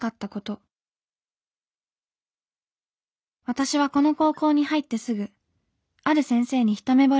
「私はこの高校に入ってすぐある先生にひとめぼれをしました。